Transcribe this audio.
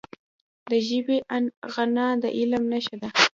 د ژبي غنا د علم نښه ده.